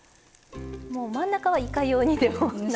もう真ん中はいかようにでもなるんですか？